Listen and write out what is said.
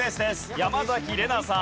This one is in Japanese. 山崎怜奈さん。